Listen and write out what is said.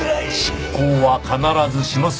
執行は必ずします。